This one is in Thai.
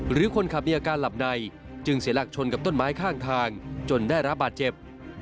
หรือคนขับมีอาการหลับในจึงเสียหลักชนกับต้นไม้ข้างทางจนได้รับบาดเจ็บ